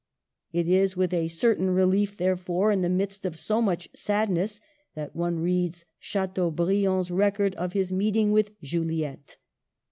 It is with a certain re lief, therefore, in the midst of so much sadness that one reads Chateaubriand's record of his meeting with Juliette.